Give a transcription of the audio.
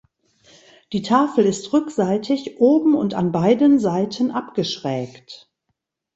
Die Tafel ist rückseitig oben und an beiden Seiten abgeschrägt.